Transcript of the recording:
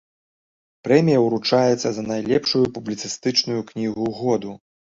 Прэмія ўручаецца за найлепшую публіцыстычную кнігу году.